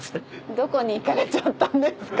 どこに行かれちゃったんですか？